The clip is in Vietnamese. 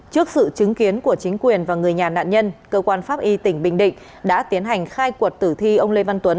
trước sự chứng kiến của chính quyền và người nhà nạn nhân cơ quan pháp y tỉnh bình định đã tiến hành khai quật tử thi ông lê văn tuấn